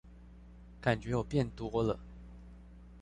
感覺有變多了